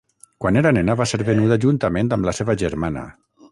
Quan era nena, va ser venuda juntament amb la seva germana.